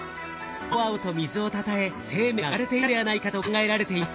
青々と水をたたえ生命が生まれていたのではないかと考えられています。